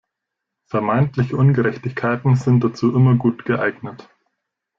Vermeintliche Ungerechtigkeiten sind dazu immer gut geeignet.